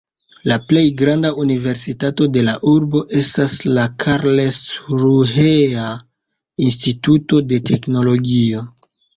La plej granda universitato de la urbo estas la Karlsruhea Instituto de Teknologio.